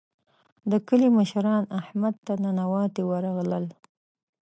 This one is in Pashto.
د کلي مشران احمد ته ننواتې ورغلل.